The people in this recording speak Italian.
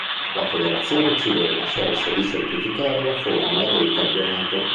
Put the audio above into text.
La Federazione cilena scelse di semplificare la formula del campionato.